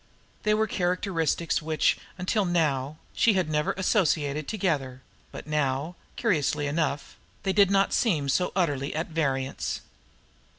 They were characteristics which, until now, she had never associated together; but now, curiously enough, they did not seem so utterly at variance.